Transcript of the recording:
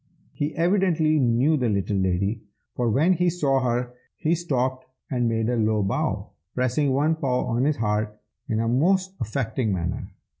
He evidently knew the little lady, for when he saw her he stopped and made a low bow, pressing one paw on his heart in a most affecting manner.